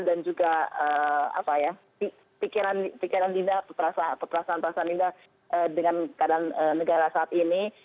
dan juga apa ya pikiran dinda perasaan perasaan dinda dengan keadaan negara saat ini